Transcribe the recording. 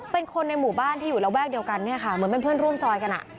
เป็นคนในหมู่บ้านที่อยู่ระแวกเดียวกันเนี่ยค่ะเหมือนเป็นเพื่อนร่วมซอยกัน